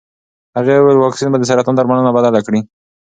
هغې وویل واکسین به د سرطان درملنه بدله کړي.